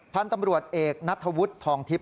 พันธุ์ตำรวจเอกนัทธวุฒิทองทิพย